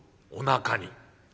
「おなかに」。